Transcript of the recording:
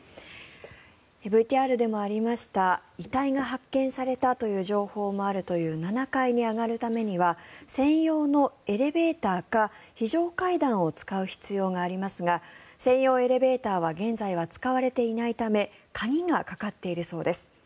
ＶＴＲでもありました遺体が発見されたという情報もあるという７階に上がるためには専用のエレベーターか非常階段を使う必要がありますが専用エレベーターは現在は使われていないため鍵がかかっているそうです。